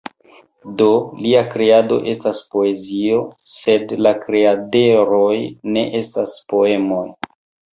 Do, lia kreado estas poezio, sed la kreaderoj ne estas poemoj!